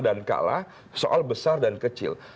dan kalah soal besar dan kecil